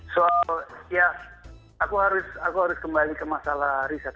soal ya aku harus kembali ke masalah riset